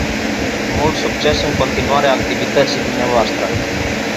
Mult succes în continuarea activității dvs.